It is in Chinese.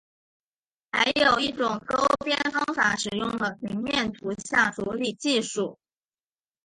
还有一种勾边方法使用了平面图像处理技术。